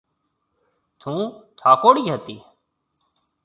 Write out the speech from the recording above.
ٿُون ٿاڪوڙِي هتي۔